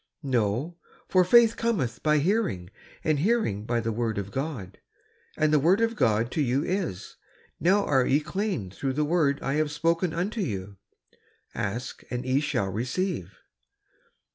"No, 'for faith cometh by hearing and hearing by the word of God ;' and the word of God to you is, 'Now are ye clean through the word I have spoken unto you.' 'Ask and ye shall receive."